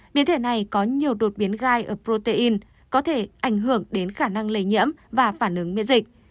biến thể này có nhiều đột biến gai ở protein có thể ảnh hưởng đến khả năng lây nhiễm và phản ứng miễn dịch